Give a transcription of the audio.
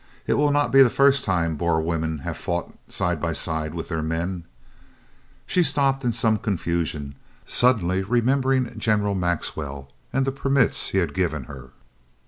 It will not be the first time that Boer women have fought side by side with their men " She stopped in some confusion, suddenly remembering General Maxwell and the permits he had given her.